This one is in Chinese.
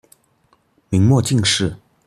明末进士。